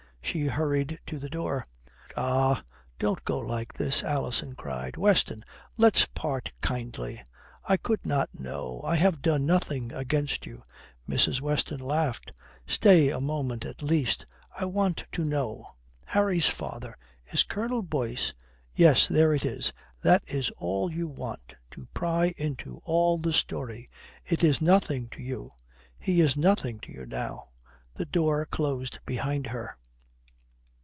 She hurried to the door. "Ah, don't go like this," Alison cried. "Weston, let's part kindly. I could not know. I have done nothing against you." Mrs. Weston laughed. "Stay a moment at least. I want to know. Harry's father is Colonel Boyce ?" "Yes, there it is. That is all you want to pry into all the story. It is nothing to you. He is nothing to you now." The door closed behind her.